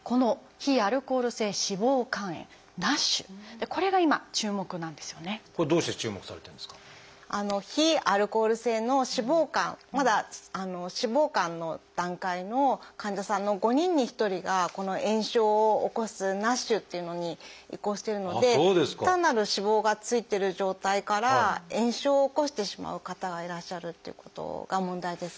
非アルコール性の脂肪肝まだ脂肪肝の段階の患者さんの５人に１人がこの炎症を起こすＮＡＳＨっていうのに移行してるので単なる脂肪がついてる状態から炎症を起こしてしまう方がいらっしゃるっていうことが問題です。